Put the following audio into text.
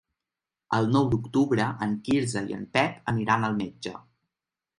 El nou d'octubre en Quirze i en Pep aniran al metge.